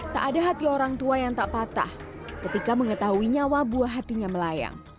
tak ada hati orang tua yang tak patah ketika mengetahui nyawa buah hatinya melayang